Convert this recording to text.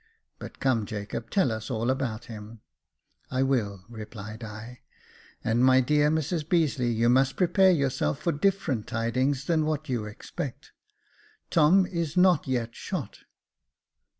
But come, Jacob, tell us all about him." "I will," replied I j "and my dear Mrs Beazeley, you must prepare yourself for different tidings than what you expect. Tom is not yet shot."